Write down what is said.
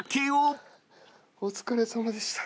お疲れさまでした。